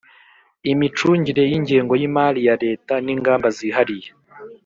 imicungire y'ingengo y'imali ya leta n'ingamba zihariye